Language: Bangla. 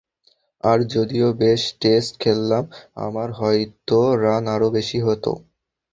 যদি আরও বেশি টেস্ট খেলতাম, আমার হয়তো রান আরও বেশি হতো।